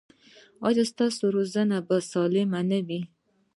ایا ستاسو روزنه به سالمه نه وي؟